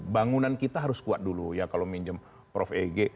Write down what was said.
bangunan kita harus kuat dulu ya kalau minjem prof ege